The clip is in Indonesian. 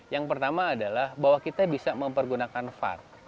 yang pertama adalah bahwa kita bisa mempergunakan var